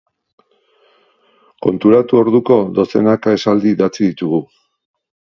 Konturatu orduko dozenaka esaldi idatzi ditugu.